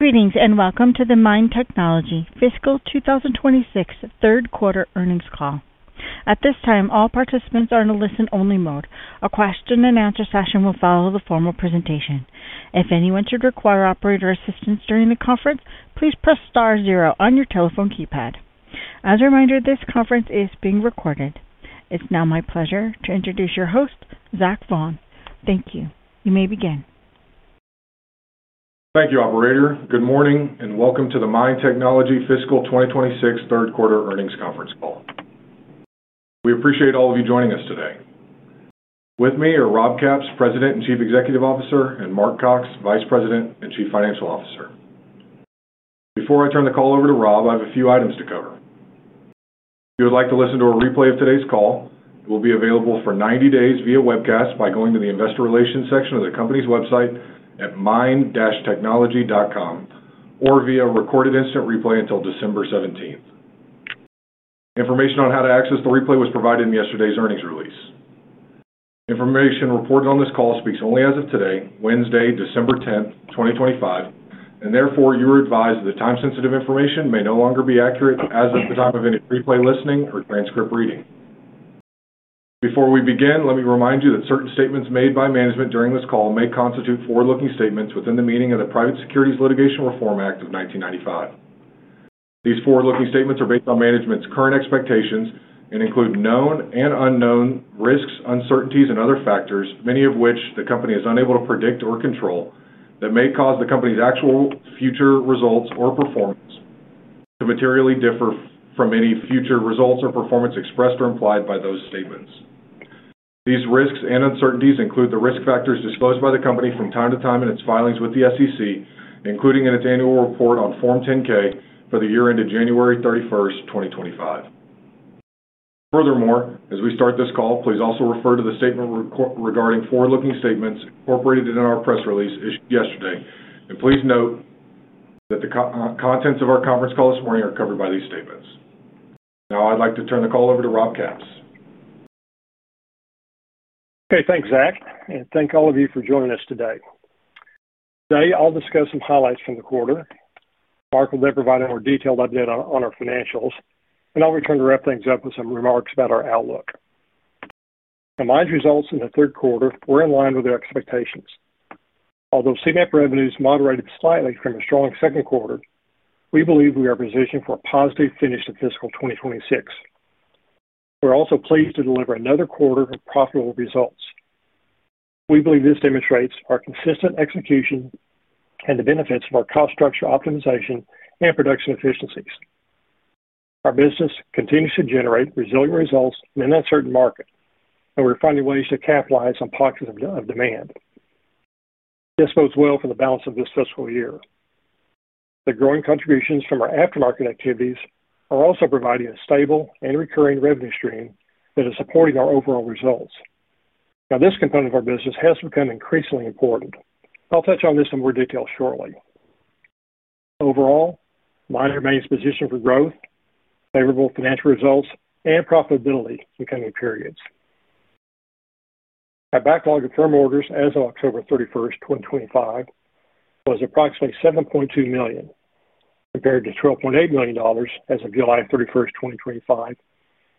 Greetings and welcome to the MIND Technology Fiscal 2026 Third Quarter Earnings Call. At this time, all participants are in a listen-only mode. A question-and-answer session will follow the formal presentation. If anyone should require operator assistance during the conference, please press star zero on your telephone keypad. As a reminder, this conference is being recorded. It's now my pleasure to introduce your host, Zach Vaughan. Thank you. You may begin. Thank you, operator. Good morning and welcome to the MIND Technology Fiscal 2026 Third Quarter Earnings Conference Call. We appreciate all of you joining us today. With me are Rob Capps, President and Chief Executive Officer, and Mark Cox, Vice President and Chief Financial Officer. Before I turn the call over to Rob, I have a few items to cover. If you would like to listen to a replay of today's call, it will be available for 90 days via webcast by going to the Investor Relations section of the company's website at mind-technology.com or via recorded instant replay until December 17th. Information on how to access the replay was provided in yesterday's earnings release. Information reported on this call speaks only as of today, Wednesday, December 10th, 2025, and therefore you are advised that the time-sensitive information may no longer be accurate as of the time of any replay listening or transcript reading. Before we begin, let me remind you that certain statements made by management during this call may constitute forward-looking statements within the meaning of the Private Securities Litigation Reform Act of 1995. These forward-looking statements are based on management's current expectations and include known and unknown risks, uncertainties, and other factors, many of which the company is unable to predict or control that may cause the company's actual future results or performance to materially differ from any future results or performance expressed or implied by those statements. These risks and uncertainties include the risk factors disclosed by the company from time to time in its filings with the SEC, including in its annual report on Form 10-K for the year ended January 31st, 2025. Furthermore, as we start this call, please also refer to the statement regarding forward-looking statements incorporated in our press release issued yesterday. And please note that the contents of our conference call this morning are covered by these statements. Now I'd like to turn the call over to Rob Capps. Okay. Thanks, Zach, and thank all of you for joining us today. Today, I'll discuss some highlights from the quarter. Mark will then provide a more detailed update on our financials, and I'll return to wrap things up with some remarks about our outlook. The MIND's results in the third quarter were in line with our expectations. Although Seamap revenues moderated slightly from a strong second quarter, we believe we are positioned for a positive finish to fiscal 2026. We're also pleased to deliver another quarter of profitable results. We believe this demonstrates our consistent execution and the benefits of our cost structure optimization and production efficiencies. Our business continues to generate resilient results in an uncertain market, and we're finding ways to capitalize on pockets of demand. This bodes well for the balance of this fiscal year. The growing contributions from our aftermarket activities are also providing a stable and recurring revenue stream that is supporting our overall results. Now, this component of our business has become increasingly important. I'll touch on this in more detail shortly. Overall, MIND remains positioned for growth, favorable financial results, and profitability in coming periods. Our backlog of firm orders as of October 31st, 2025, was approximately $7.2 million compared to $12.8 million as of July 31st, 2025,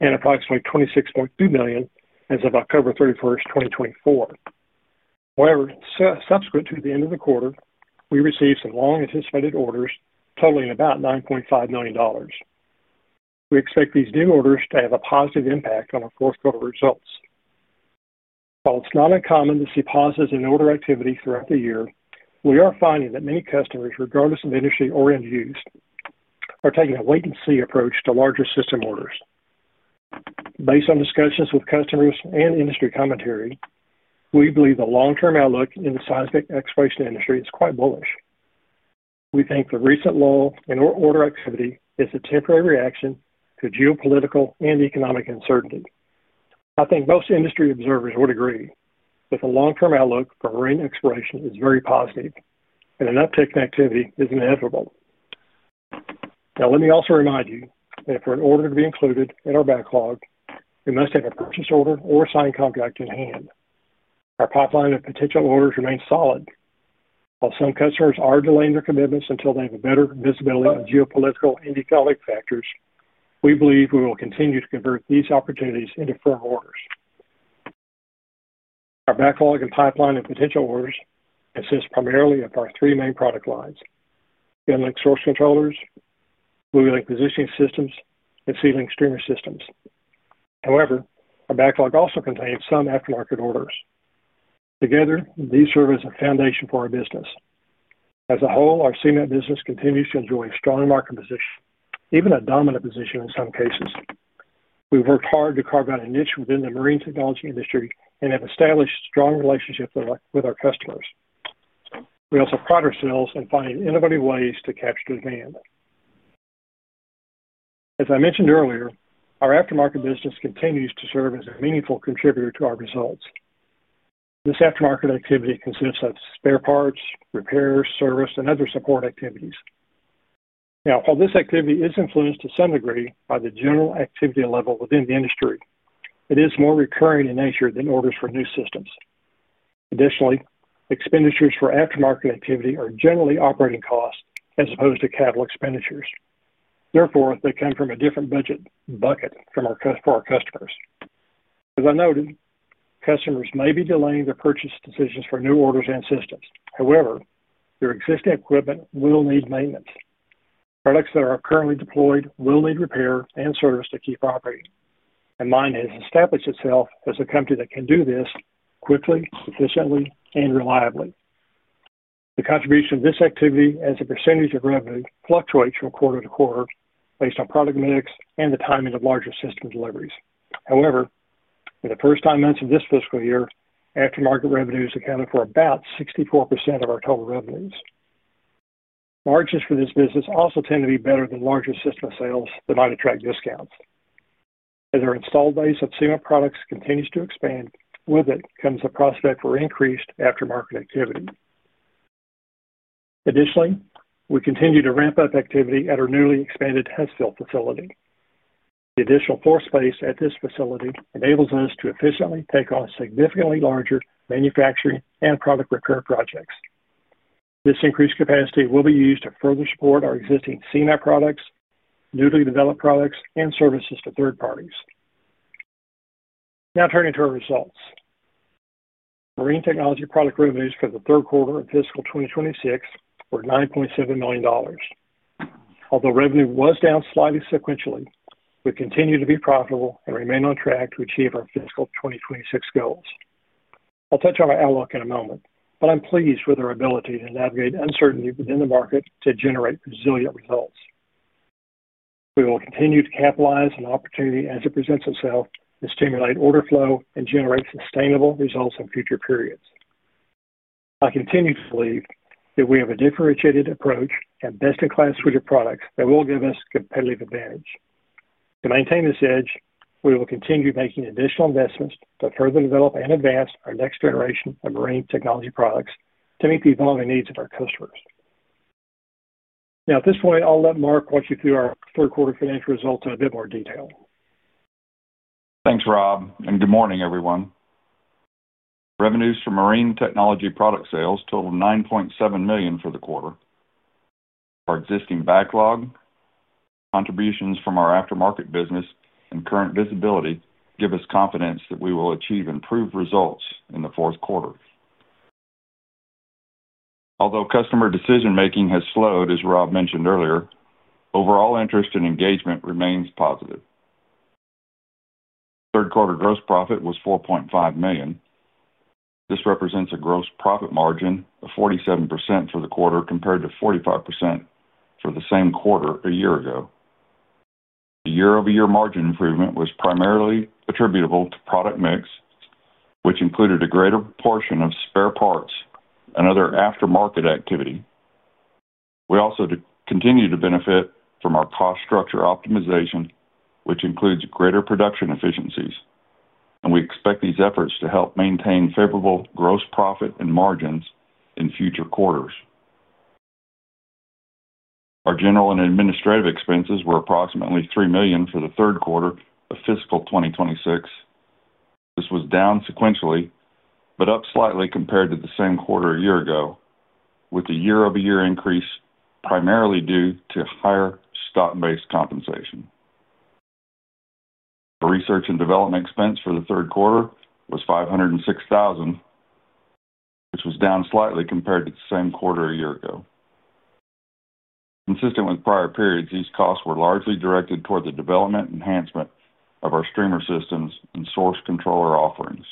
and approximately $26.2 million as of October 31st, 2024. However, subsequent to the end of the quarter, we received some long-anticipated orders totaling about $9.5 million. We expect these new orders to have a positive impact on our fourth-quarter results. While it's not uncommon to see positives in order activity throughout the year, we are finding that many customers, regardless of industry or end use, are taking a wait-and-see approach to larger system orders. Based on discussions with customers and industry commentary, we believe the long-term outlook in the seismic exploration industry is quite bullish. We think the recent lull in order activity is a temporary reaction to geopolitical and economic uncertainty. I think most industry observers would agree that the long-term outlook for marine exploration is very positive and an uptick in activity is inevitable. Now, let me also remind you that for an order to be included in our backlog, we must have a purchase order or signed contract in hand. Our pipeline of potential orders remains solid. While some customers are delaying their commitments until they have a better visibility on geopolitical and economic factors, we believe we will continue to convert these opportunities into firm orders. Our backlog and pipeline of potential orders consists primarily of our three main product lines: GunLink source controllers, BuoyLink positioning systems, and SeaLink streamer systems. However, our backlog also contains some aftermarket orders. Together, these serve as a foundation for our business. As a whole, our Seamap business continues to enjoy a strong market position, even a dominant position in some cases. We've worked hard to carve out a niche within the marine technology industry and have established strong relationships with our customers. We also pride ourselves in finding innovative ways to capture demand. As I mentioned earlier, our aftermarket business continues to serve as a meaningful contributor to our results. This aftermarket activity consists of spare parts, repairs, service, and other support activities. Now, while this activity is influenced to some degree by the general activity level within the industry, it is more recurring in nature than orders for new systems. Additionally, expenditures for aftermarket activity are generally operating costs as opposed to capital expenditures. Therefore, they come from a different budget bucket for our customers. As I noted, customers may be delaying their purchase decisions for new orders and systems. However, their existing equipment will need maintenance. Products that are currently deployed will need repair and service to keep operating. And MIND has established itself as a company that can do this quickly, efficiently, and reliably. The contribution of this activity as a percentage of revenue fluctuates from quarter to quarter based on product mix and the timing of larger system deliveries. However, in the first nine months of this fiscal year, aftermarket revenues accounted for about 64% of our total revenues. Margins for this business also tend to be better than larger system sales that might attract discounts. As our installed base of Seamap products continues to expand, with it comes the prospect for increased aftermarket activity. Additionally, we continue to ramp up activity at our newly expanded test field facility. The additional floor space at this facility enables us to efficiently take on significantly larger manufacturing and product repair projects. This increased capacity will be used to further support our existing Seamap products, newly developed products, and services to third parties. Now turning to our results. Marine technology product revenues for the third quarter of fiscal 2026 were $9.7 million. Although revenue was down slightly sequentially, we continue to be profitable and remain on track to achieve our fiscal 2026 goals. I'll touch on our outlook in a moment, but I'm pleased with our ability to navigate uncertainty within the market to generate resilient results. We will continue to capitalize on opportunity as it presents itself to stimulate order flow and generate sustainable results in future periods. I continue to believe that we have a differentiated approach and best-in-class suite of products that will give us a competitive advantage. To maintain this edge, we will continue making additional investments to further develop and advance our next generation of marine technology products to meet the evolving needs of our customers. Now, at this point, I'll let Mark walk you through our third quarter financial results in a bit more detail. Thanks, Rob. And good morning, everyone. Revenues from marine technology product sales totaled $9.7 million for the quarter. Our existing backlog, contributions from our aftermarket business, and current visibility give us confidence that we will achieve improved results in the fourth quarter. Although customer decision-making has slowed, as Rob mentioned earlier, overall interest and engagement remains positive. Third quarter gross profit was $4.5 million. This represents a gross profit margin of 47% for the quarter compared to 45% for the same quarter a year ago. The year-over-year margin improvement was primarily attributable to product mix, which included a greater portion of spare parts and other aftermarket activity. We also continue to benefit from our cost structure optimization, which includes greater production efficiencies. And we expect these efforts to help maintain favorable gross profit and margins in future quarters. Our general and administrative expenses were approximately $3 million for the third quarter of fiscal 2026. This was down sequentially but up slightly compared to the same quarter a year ago, with the year-over-year increase primarily due to higher stock-based compensation. Our research and development expense for the third quarter was $506,000, which was down slightly compared to the same quarter a year ago. Consistent with prior periods, these costs were largely directed toward the development and enhancement of our streamer systems and source controller offerings.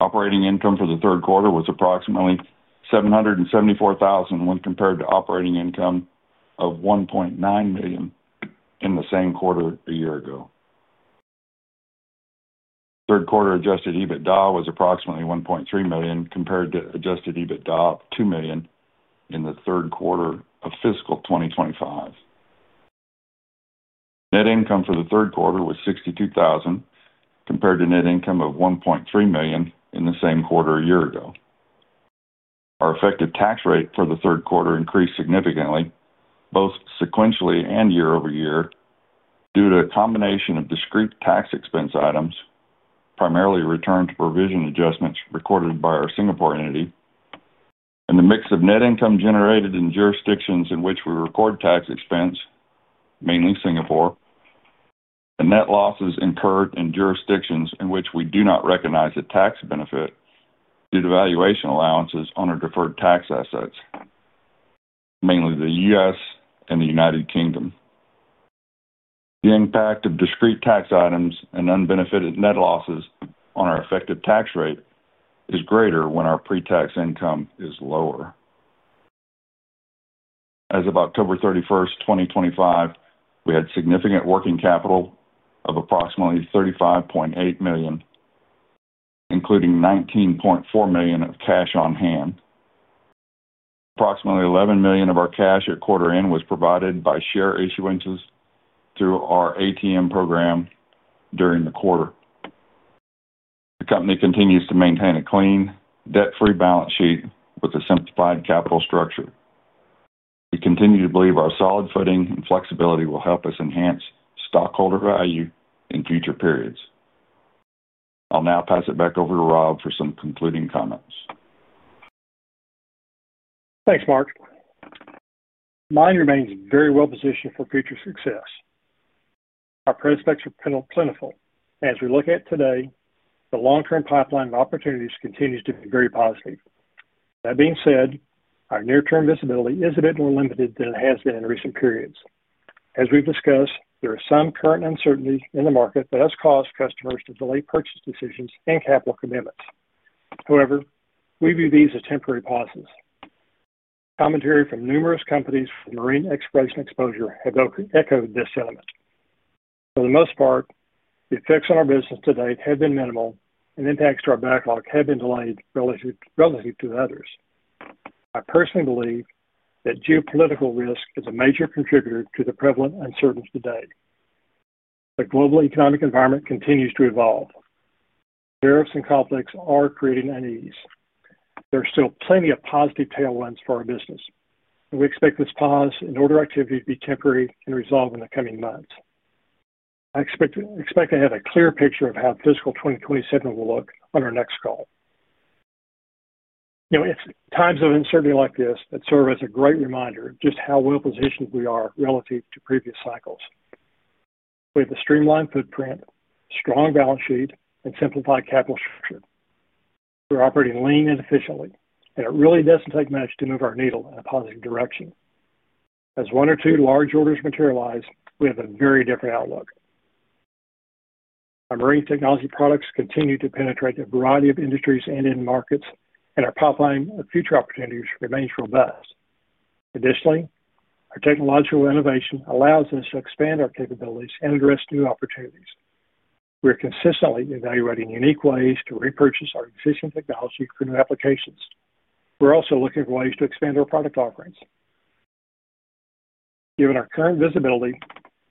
Operating income for the third quarter was approximately $774,000 when compared to operating income of $1.9 million in the same quarter a year ago. Third quarter adjusted EBITDA was approximately $1.3 million compared to adjusted EBITDA of $2 million in the third quarter of fiscal 2025. Net income for the third quarter was $62,000 compared to net income of $1.3 million in the same quarter a year ago. Our effective tax rate for the third quarter increased significantly, both sequentially and year-over-year, due to a combination of discrete tax expense items, primarily return to provision adjustments recorded by our Singapore entity, and the mix of net income generated in jurisdictions in which we record tax expense, mainly Singapore, and net losses incurred in jurisdictions in which we do not recognize a tax benefit due to valuation allowances on our deferred tax assets, mainly the U.S. and the United Kingdom. The impact of discrete tax items and unbenefited net losses on our effective tax rate is greater when our pre-tax income is lower. As of October 31st, 2025, we had significant working capital of approximately $35.8 million, including $19.4 million of cash on hand. Approximately $11 million of our cash at quarter end was provided by share issuance through our ATM program during the quarter. The company continues to maintain a clean, debt-free balance sheet with a simplified capital structure. We continue to believe our solid footing and flexibility will help us enhance stockholder value in future periods. I'll now pass it back over to Rob for some concluding comments. Thanks, Mark. MIND remains very well positioned for future success. Our prospects are plentiful. As we look at today, the long-term pipeline of opportunities continues to be very positive. That being said, our near-term visibility is a bit more limited than it has been in recent periods. As we've discussed, there is some current uncertainty in the market that has caused customers to delay purchase decisions and capital commitments. However, we view these as temporary pauses. Commentary from numerous companies with marine exploration exposure has echoed this element. For the most part, the effects on our business to date have been minimal, and impacts to our backlog have been delayed relative to others. I personally believe that geopolitical risk is a major contributor to the prevalent uncertainty today. The global economic environment continues to evolve. Tariffs and conflicts are creating unease. There are still plenty of positive tailwinds for our business. We expect this pause in order activity to be temporary and resolve in the coming months. I expect to have a clear picture of how fiscal 2027 will look on our next call. It's times of uncertainty like this that serve as a great reminder of just how well positioned we are relative to previous cycles. We have a streamlined footprint, strong balance sheet, and simplified capital structure. We're operating lean and efficiently, and it really doesn't take much to move our needle in a positive direction. As one or two large orders materialize, we have a very different outlook. Our marine technology products continue to penetrate a variety of industries and end markets, and our pipeline of future opportunities remains robust. Additionally, our technological innovation allows us to expand our capabilities and address new opportunities. We're consistently evaluating unique ways to repurchase our existing technology for new applications. We're also looking for ways to expand our product offerings. Given our current visibility,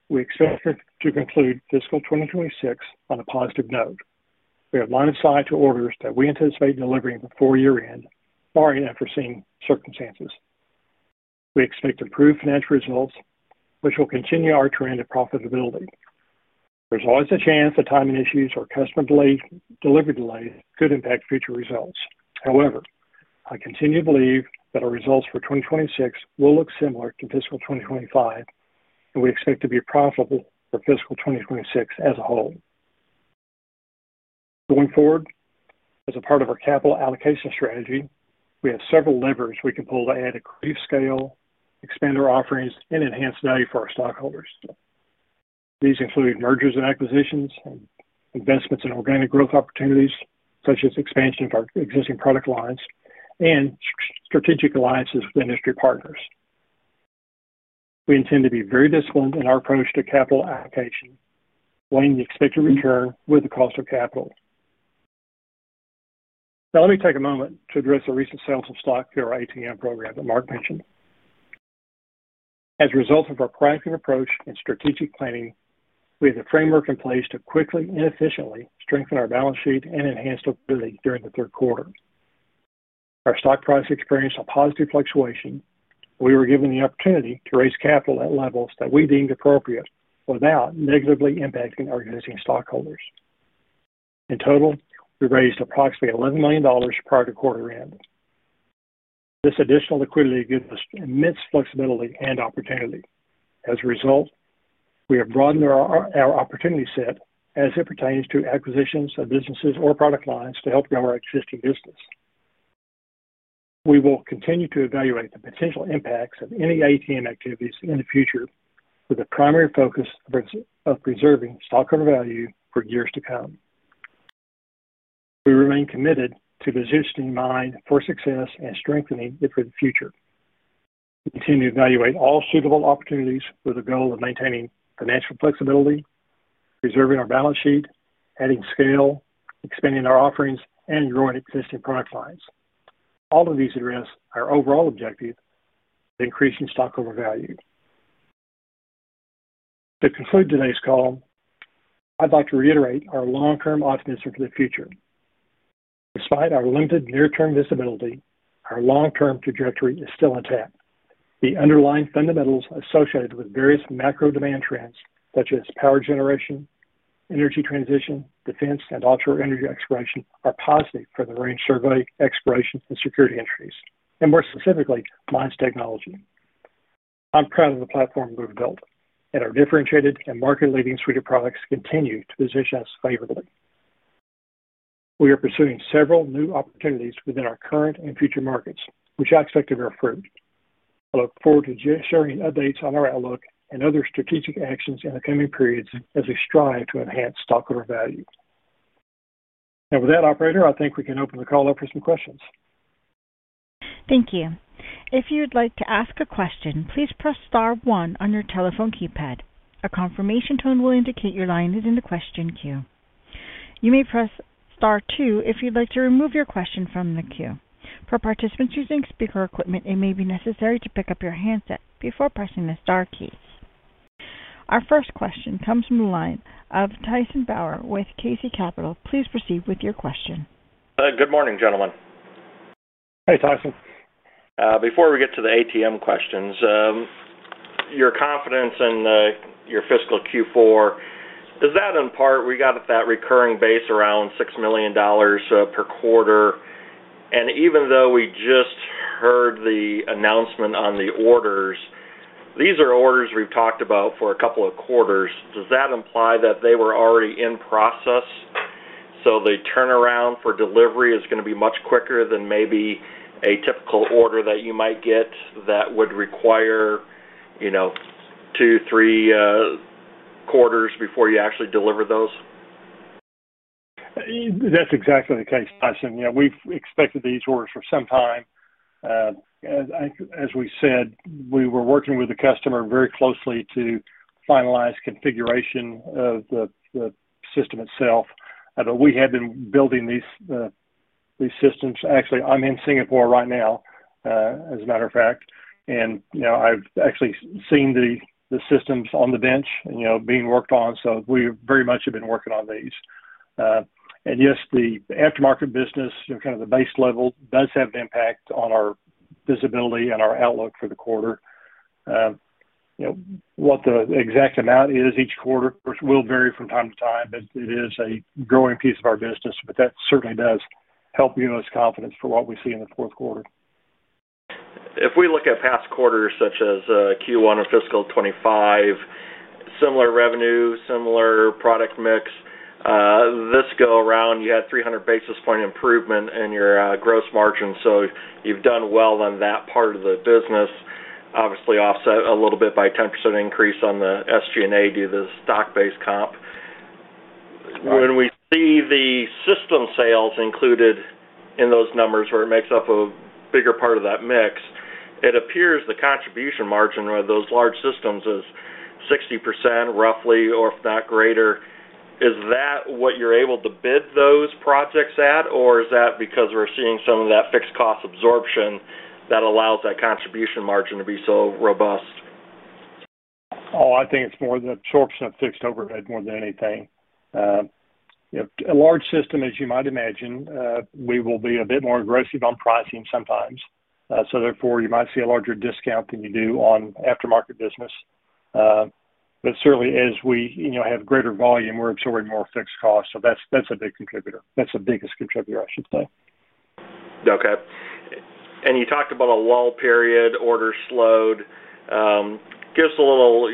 we expect to conclude fiscal 2026 on a positive note. We have line of sight to orders that we anticipate delivering before year-end, barring unforeseen circumstances. We expect improved financial results, which will continue our trend of profitability. There's always a chance that timing issues or customer delivery delays could impact future results. However, I continue to believe that our results for 2026 will look similar to fiscal 2025, and we expect to be profitable for fiscal 2026 as a whole. Going forward, as a part of our capital allocation strategy, we have several levers we can pull to add a crease scale, expand our offerings, and enhance value for our stockholders. These include mergers and acquisitions, investments in organic growth opportunities such as expansion of our existing product lines, and strategic alliances with industry partners. We intend to be very disciplined in our approach to capital allocation, weighing the expected return with the cost of capital. Now, let me take a moment to address the recent sales of stock through our ATM program that Mark mentioned. As a result of our proactive approach and strategic planning, we have a framework in place to quickly and efficiently strengthen our balance sheet and enhance stability during the third quarter. Our stock price experienced a positive fluctuation, but we were given the opportunity to raise capital at levels that we deemed appropriate without negatively impacting our existing stockholders. In total, we raised approximately $11 million prior to quarter end. This additional liquidity gives us immense flexibility and opportunity. As a result, we have broadened our opportunity set as it pertains to acquisitions of businesses or product lines to help grow our existing business. We will continue to evaluate the potential impacts of any ATM activities in the future with a primary focus of preserving stockholder value for years to come. We remain committed to positioning MIND for success and strengthening it for the future. We continue to evaluate all suitable opportunities with a goal of maintaining financial flexibility, preserving our balance sheet, adding scale, expanding our offerings, and growing existing product lines. All of these address our overall objective of increasing stockholder value. To conclude today's call, I'd like to reiterate our long-term optimism for the future. Despite our limited near-term visibility, our long-term trajectory is still intact. The underlying fundamentals associated with various macro demand trends, such as power generation, energy transition, defense, and offshore energy exploration, are positive for the marine survey, exploration, and security entities, and more specifically, MIND Technology. I'm proud of the platform we've built, and our differentiated and market-leading suite of products continue to position us favorably. We are pursuing several new opportunities within our current and future markets, which I expect to bear fruit. I look forward to sharing updates on our outlook and other strategic actions in the coming periods as we strive to enhance stockholder value. And with that, Operator, I think we can open the call up for some questions. Thank you. If you'd like to ask a question, please press Star one on your telephone keypad. A confirmation tone will indicate your line is in the question queue. You may press Star two if you'd like to remove your question from the queue. For participants using speaker equipment, it may be necessary to pick up your handset before pressing the Star key. Our first question comes from the line of Tyson Bauer with KC Capital. Please proceed with your question. Good morning, gentlemen. Hey, Tyson. Before we get to the ATM questions, your confidence in your fiscal Q4, is that in part we got at that recurring base around $6 million per quarter? Even though we just heard the announcement on the orders, these are orders we've talked about for a couple of quarters. Does that imply that they were already in process? The turnaround for delivery is going to be much quicker than maybe a typical order that you might get that would require two, three quarters before you actually deliver those? That's exactly the case, Tyson. We've expected these orders for some time. As we said, we were working with the customer very closely to finalize configuration of the system itself, but we had been building these systems. Actually, I'm in Singapore right now, as a matter of fact, and I've actually seen the systems on the bench being worked on, so we very much have been working on these, and yes, the aftermarket business, kind of the base level, does have an impact on our visibility and our outlook for the quarter. What the exact amount is each quarter will vary from time to time, but it is a growing piece of our business, but that certainly does help give us confidence for what we see in the fourth quarter. If we look at past quarters such as Q1 of fiscal 25, similar revenue, similar product mix, this go around, you had 300 basis point improvement in your gross margin. So you've done well on that part of the business, obviously offset a little bit by a 10% increase on the SG&A due to the stock-based comp. When we see the system sales included in those numbers where it makes up a bigger part of that mix, it appears the contribution margin of those large systems is 60% roughly, or if not greater. Is that what you're able to bid those projects at, or is that because we're seeing some of that fixed cost absorption that allows that contribution margin to be so robust? Oh, I think it's more the absorption of fixed overhead more than anything. A large system, as you might imagine, we will be a bit more aggressive on pricing sometimes. So therefore, you might see a larger discount than you do on aftermarket business. But certainly, as we have greater volume, we're absorbing more fixed costs. So that's a big contributor. That's the biggest contributor, I should say. Okay. And you talked about a lull period, orders slowed just a little.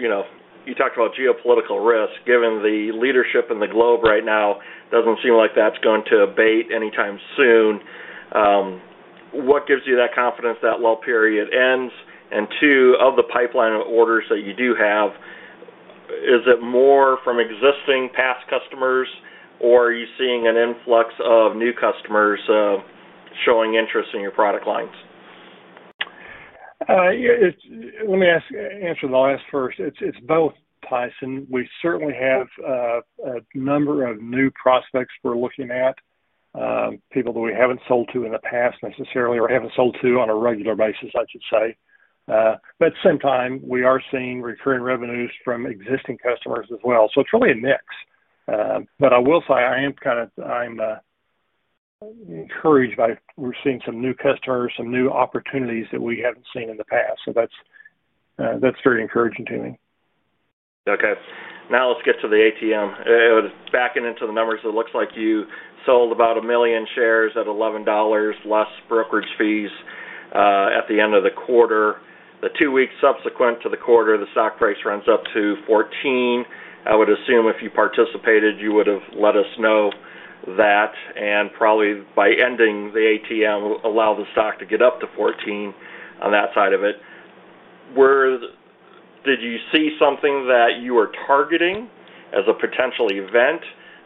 You talked about geopolitical risk. Given the leadership in the globe right now, it doesn't seem like that's going to abate anytime soon. What gives you that confidence that lull period ends? And, two, of the pipeline of orders that you do have, is it more from existing past customers, or are you seeing an influx of new customers showing interest in your product lines? Let me answer the last first. It's both, Tyson. We certainly have a number of new prospects we're looking at, people that we haven't sold to in the past necessarily, or haven't sold to on a regular basis, I should say. But at the same time, we are seeing recurring revenues from existing customers as well. So it's really a mix. But I will say I am kind of encouraged by we're seeing some new customers, some new opportunities that we haven't seen in the past. So that's very encouraging to me. Okay. Now let's get to the ATM. Backing into the numbers, it looks like you sold about a million shares at $11 less brokerage fees at the end of the quarter. The two weeks subsequent to the quarter, the stock price runs up to $14. I would assume if you participated, you would have let us know that, and probably by ending the ATM, allow the stock to get up to $14 on that side of it. Did you see something that you were targeting as a potential event,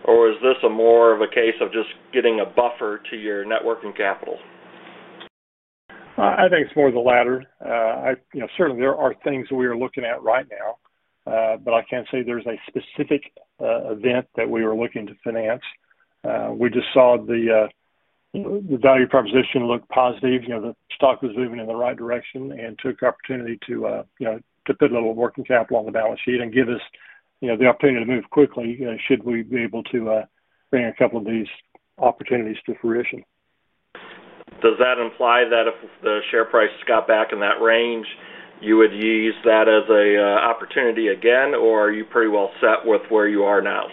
or is this more of a case of just getting a buffer to your net working capital? I think it's more of the latter. Certainly, there are things we are looking at right now, but I can't say there's a specific event that we were looking to finance. We just saw the value proposition look positive. The stock was moving in the right direction and took the opportunity to put a little working capital on the balance sheet and give us the opportunity to move quickly should we be able to bring a couple of these opportunities to fruition. Does that imply that if the share price got back in that range, you would use that as an opportunity again, or are you pretty well set with where you are now?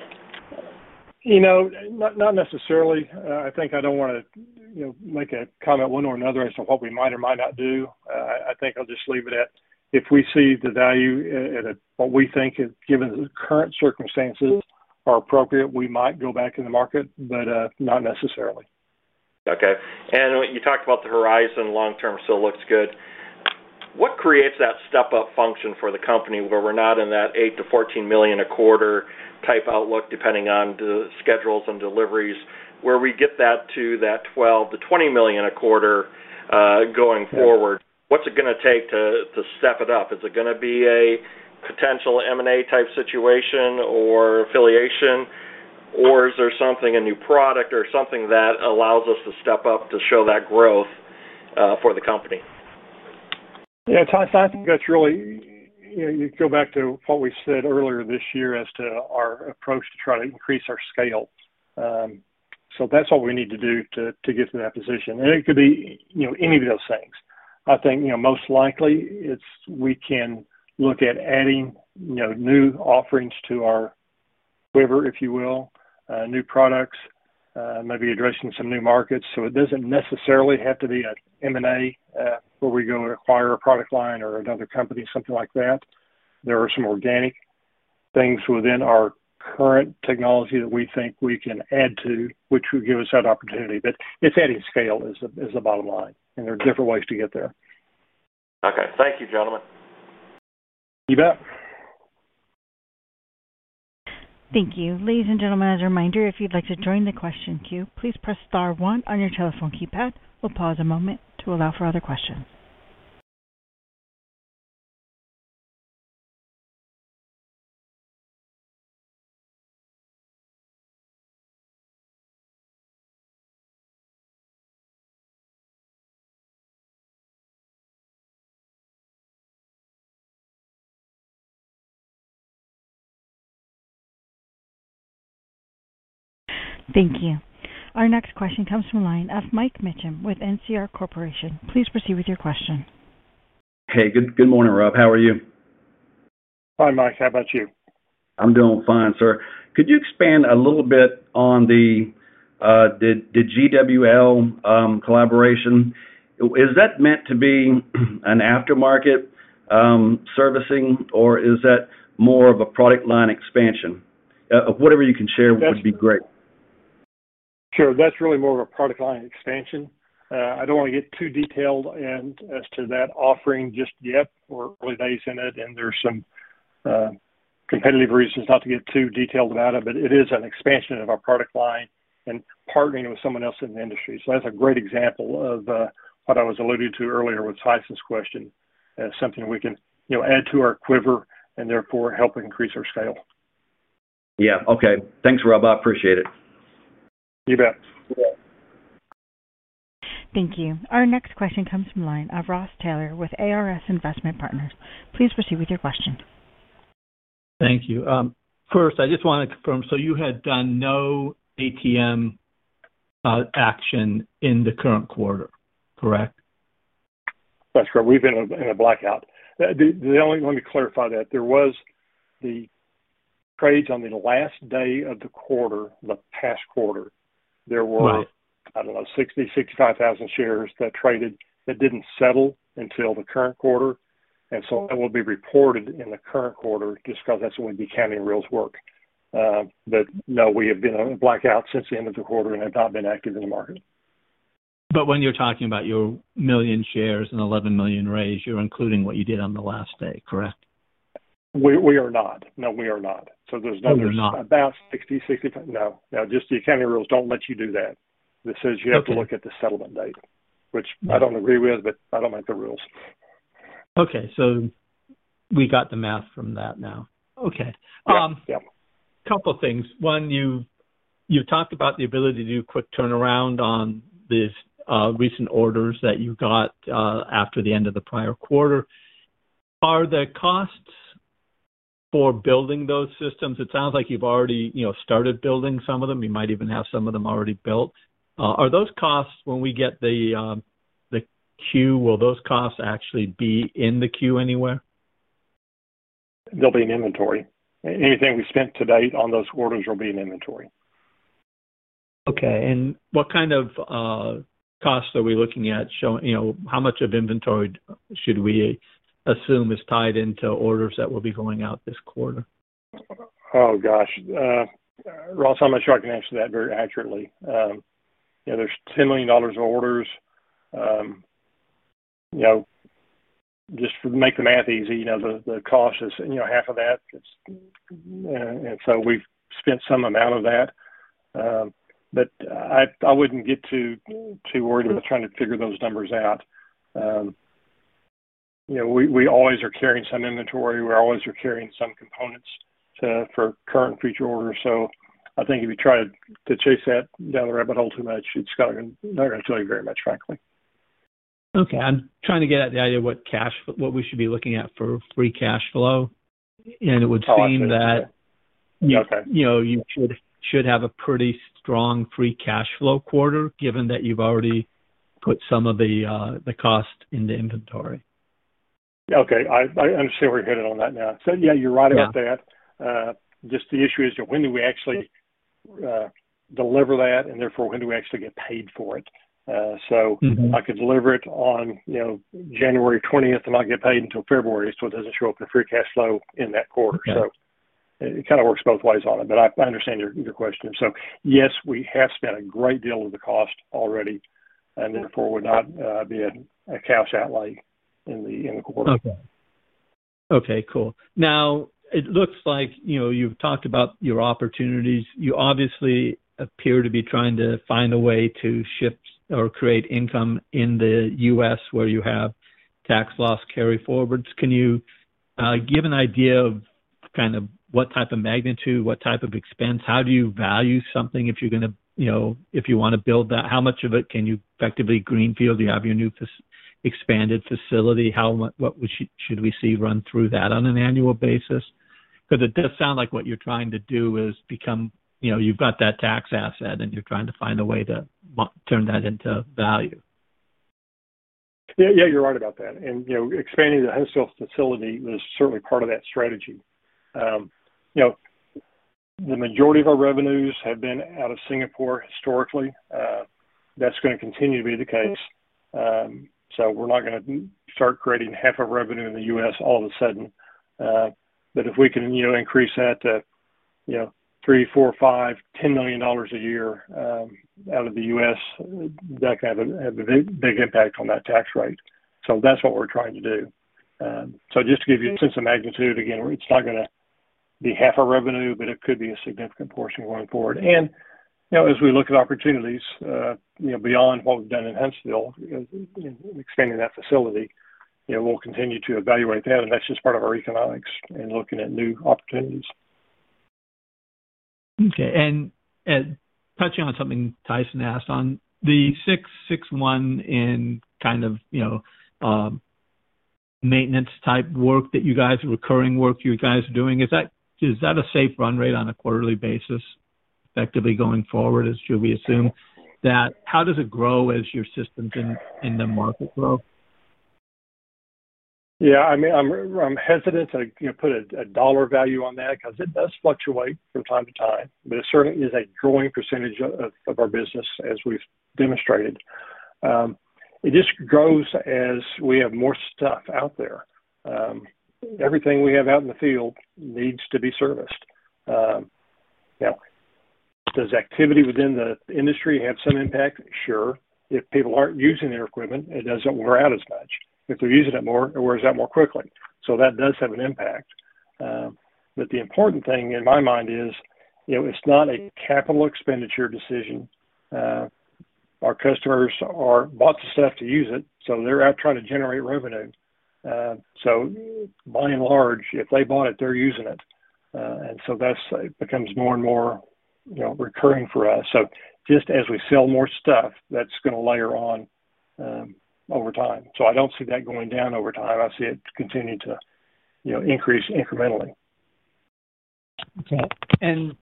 Not necessarily. I think I don't want to make a comment one way or another as to what we might or might not do. I think I'll just leave it at if we see the value at what we think, given the current circumstances are appropriate, we might go back in the market, but not necessarily. Okay. And you talked about the horizon long-term still looks good. What creates that step-up function for the company where we're not in that $8-$14 million a quarter type outlook, depending on the schedules and deliveries, where we get that to that $12-$20 million a quarter going forward? What's it going to take to step it up? Is it going to be a potential M&A type situation or affiliation, or is there something, a new product or something that allows us to step up to show that growth for the company? Yeah, Tyson, I think that's really you go back to what we said earlier this year as to our approach to try to increase our scale, so that's what we need to do to get to that position, and it could be any of those things. I think most likely we can look at adding new offerings to our quiver, if you will, new products, maybe addressing some new markets, so it doesn't necessarily have to be an M&A where we go acquire a product line or another company, something like that. There are some organic things within our current technology that we think we can add to, which will give us that opportunity, but it's adding scale is the bottom line, and there are different ways to get there. Okay. Thank you, gentlemen. You bet. Thank you. Ladies and gentlemen, as a reminder, if you'd like to join the question queue, please press Star 1 on your telephone keypad. We'll pause a moment to allow for other questions. Thank you. Our next question comes from line of Mike Mitcham with NCS SubSea. Please proceed with your question. Hey, good morning, Rob. How are you? Hi, Mike. How about you? I'm doing fine, sir. Could you expand a little bit on the GWL collaboration? Is that meant to be an aftermarket servicing, or is that more of a product line expansion? Whatever you can share would be great. Sure. That's really more of a product line expansion. I don't want to get too detailed as to that offering just yet. We're early days in it, and there's some competitive reasons not to get too detailed about it. But it is an expansion of our product line and partnering with someone else in the industry. So that's a great example of what I was alluding to earlier with Tyson's question, something we can add to our quiver and therefore help increase our scale. Yeah. Okay. Thanks, Rob. I appreciate it. You bet. Thank you. Our next question comes from line of Ross Taylor with ARS Investment Partners. Please proceed with your question. Thank you. First, I just want to confirm. So you had done no ATM action in the current quarter, correct? That's correct. We've been in a blackout. Let me clarify that. There was the trades on the last day of the quarter, the past quarter, there were, I don't know, 60-65,000 shares that traded that didn't settle until the current quarter. And so that will be reported in the current quarter just because that's the way the accounting rules work. But no, we have been in a blackout since the end of the quarter and have not been active in the market. But when you're talking about your million shares and $11 million raised, you're including what you did on the last day, correct? We are not. No, we are not. So there's another. About 60-65. No. Just the accounting rules don't let you do that. This says you have to look at the settlement date, which I don't agree with, but I don't like the rules. Okay. So we got the math from that now. Okay. Yeah. Couple of things. One, you've talked about the ability to do quick turnaround on these recent orders that you got after the end of the prior quarter. Are the costs for building those systems? It sounds like you've already started building some of them. You might even have some of them already built. Are those costs, when we get the Q? Will those costs actually be in the Q anywhere? They'll be in inventory. Anything we spent today on those orders will be in inventory. Okay, and what kind of costs are we looking at? How much of inventory should we assume is tied into orders that will be going out this quarter? Oh, gosh. Ross, I'm not sure I can answer that very accurately. There's $10 million of orders. Just to make the math easy, the cost is half of that. And so we've spent some amount of that. But I wouldn't get too worried about trying to figure those numbers out. We always are carrying some inventory. We always are carrying some components for current and future orders. So I think if you try to chase that down the rabbit hole too much, it's not going to tell you very much, frankly. Okay. I'm trying to get at the idea of what we should be looking at for free cash flow. And it would seem that you should have a pretty strong free cash flow quarter, given that you've already put some of the cost in the inventory. Okay. I understand where you're headed on that now. So yeah, you're right about that. Just the issue is when do we actually deliver that, and therefore, when do we actually get paid for it? So I could deliver it on January 20th, and I'll get paid until February. So it doesn't show up in free cash flow in that quarter. So it kind of works both ways on it. But I understand your question. So yes, we have spent a great deal of the cost already, and therefore would not be a cash outlay in the quarter. Okay. Okay. Cool. Now, it looks like you've talked about your opportunities. You obviously appear to be trying to find a way to shift or create income in the U.S. where you have tax loss carry forwards. Can you give an idea of kind of what type of magnitude, what type of expense? How do you value something if you're going to if you want to build that? How much of it can you effectively greenfield? Do you have your new expanded facility? What should we see run through that on an annual basis? Because it does sound like what you're trying to do is become you've got that tax asset, and you're trying to find a way to turn that into value. Yeah. Yeah, you're right about that. And expanding the Huntsville facility was certainly part of that strategy. The majority of our revenues have been out of Singapore historically. That's going to continue to be the case. So we're not going to start creating half of revenue in the U.S. all of a sudden. But if we can increase that to three, four, five, $10 million a year out of the U.S., that can have a big impact on that tax rate. So that's what we're trying to do. So just to give you a sense of magnitude, again, it's not going to be half our revenue, but it could be a significant portion going forward. And as we look at opportunities beyond what we've done in Huntsville, expanding that facility, we'll continue to evaluate that. And that's just part of our economics and looking at new opportunities. Okay. And touching on something Tyson asked on, the 661 in kind of maintenance type work that you guys are recurring work you guys are doing, is that a safe run rate on a quarterly basis effectively going forward? Should we assume that? How does it grow as your systems in the market grow? Yeah. I mean, I'm hesitant to put a dollar value on that because it does fluctuate from time to time. But it certainly is a growing percentage of our business, as we've demonstrated. It just grows as we have more stuff out there. Everything we have out in the field needs to be serviced. Now, does activity within the industry have some impact? Sure. If people aren't using their equipment, it doesn't wear out as much. If they're using it more, it wears out more quickly. So that does have an impact. But the important thing in my mind is it's not a capital expenditure decision. Our customers have bought the stuff to use it, so they're out trying to generate revenue. So by and large, if they bought it, they're using it. And so that becomes more and more recurring for us. So just as we sell more stuff, that's going to layer on over time. So I don't see that going down over time. I see it continue to increase incrementally. Okay. And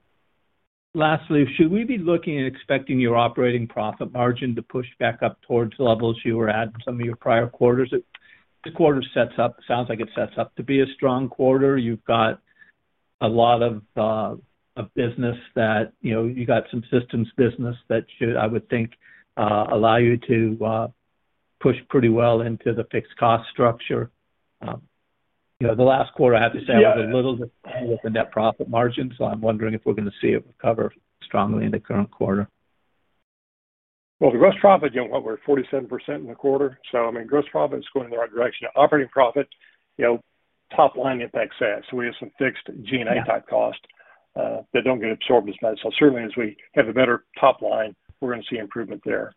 lastly, should we be looking and expecting your operating profit margin to push back up towards levels you were at in some of your prior quarters? This quarter sounds like it sets up to be a strong quarter. You've got a lot of business that you got some systems business that should, I would think, allow you to push pretty well into the fixed cost structure. The last quarter, I have to say, I was a little disappointed with the net profit margin, so I'm wondering if we're going to see it recover strongly in the current quarter. Well, the gross profit again, what we're at 47% in the quarter. So I mean, gross profit is going in the right direction. Operating profit, top line impacts that. So we have some fixed G&A type costs that don't get absorbed as much. So certainly, as we have a better top line, we're going to see improvement there.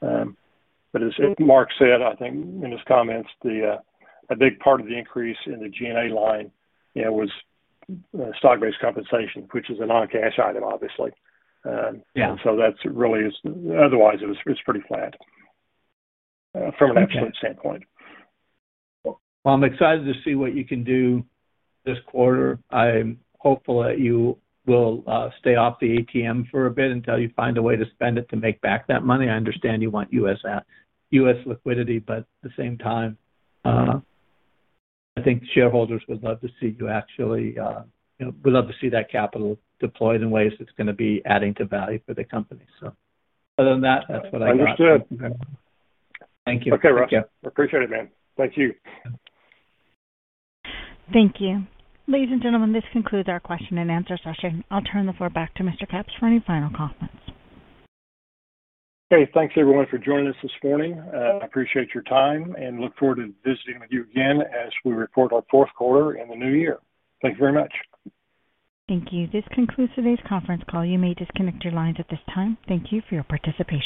But as Mark said, I think in his comments, a big part of the increase in the G&A line was stock-based compensation, which is a non-cash item, obviously. And so that's really otherwise, it's pretty flat from an absolute standpoint. Well, I'm excited to see what you can do this quarter. I'm hopeful that you will stay off the ATM for a bit until you find a way to spend it to make back that money. I understand you want U.S. liquidity, but at the same time, I think shareholders would love to see you actually would love to see that capital deployed in ways that's going to be adding to value for the company. So other than that, that's what I got. Understood. Thank you. Okay, Ross. Appreciate it, man. Thank you. Thank you. Thank you. Ladies and gentlemen, this concludes our question and answer session. I'll turn the floor back to Mr. Capps for any final comments. Okay. Thanks, everyone, for joining us this morning. I appreciate your time and look forward to visiting with you again as we report our fourth quarter in the new year. Thank you very much. Thank you. This concludes today's conference call. You may disconnect your lines at this time. Thank you for your participation.